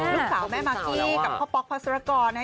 ลูกสาวแม่มาขี้กับพ่อป๊อกพระศรกรนะครับ